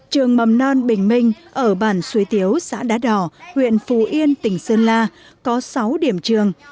trường mầm non bình minh ở bản xuếu xã đá đỏ huyện phù yên tỉnh sơn la có sáu điểm trường